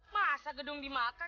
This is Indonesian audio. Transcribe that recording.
masa gedung dimakan